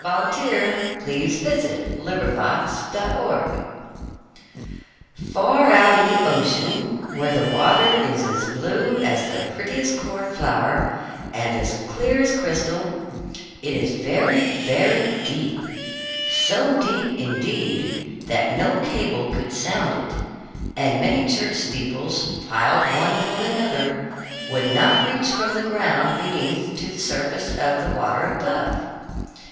THE LITTLE MERMAID FAR out in the ocean, where the water is as blue as the prettiest cornflower and as clear as crystal, it is very, very deep; so deep, indeed, that no cable could sound it, and many church steeples, piled one upon another, would not reach from the ground beneath to the surface of the water above.